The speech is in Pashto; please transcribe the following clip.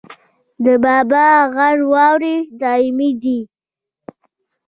د بابا غر واورې دایمي دي